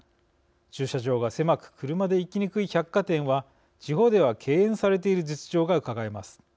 駐車場が狭く車で行きにくい百貨店は地方では敬遠されている実情がうかがえます。